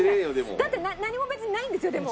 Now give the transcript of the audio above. だって何も別にないんですよでも。